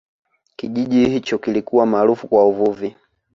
kijiji hicho kilikuwa maarufu kwa uvuvi